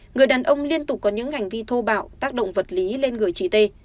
người đàn ông liên tục có những hành vi thô bạo tác động vật lý lên người chị t